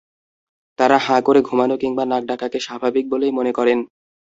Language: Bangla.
তাঁরা হাঁ করে ঘুমানো কিংবা নাক ডাকাকে স্বাভাবিক বলেই মনে করেন।